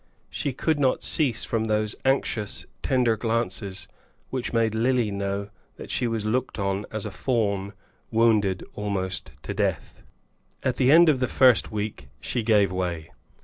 She could not cease from those anxious tender glances which made Lily know that she was looked on as a fawn wounded almost to death. At the end of the first week she gave way.